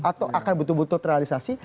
atau akan betul betul terrealisasi